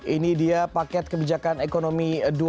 ini dia paket kebijakan ekonomi dua belas